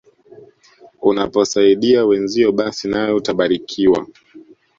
Unaposaidia wenzio basi nawe utabarikiwa.